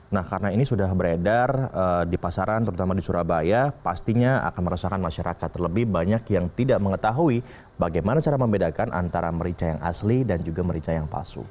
nah karena ini sudah beredar di pasaran terutama di surabaya pastinya akan meresahkan masyarakat terlebih banyak yang tidak mengetahui bagaimana cara membedakan antara merica yang asli dan juga merica yang palsu